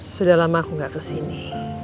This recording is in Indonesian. sudah lama aku gak kesini